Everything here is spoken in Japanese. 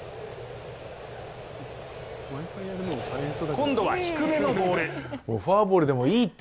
今度は低めのボール。